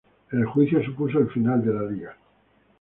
El juicio supuso el final de la Liga.